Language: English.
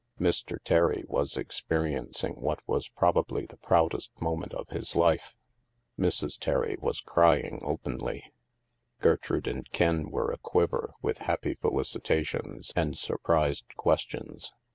Mr. Terry was experiencing what was probably the proudest moment of his life. Mrs. Terry was crying openly. Gertrude and Ken were aquiver with happy felicitations and surprised questions.